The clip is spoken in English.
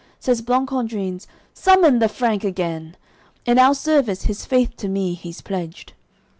Says Blancandrins: "Summon the Frank again, In our service his faith to me he's pledged."